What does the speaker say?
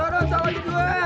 aduh salah juga